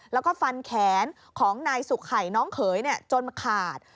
แล้วก็ฟันแขนของนายสุขไข่น้องเขยจนมาขาด